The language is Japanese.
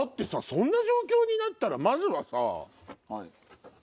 そんな状況になったらまずはさ。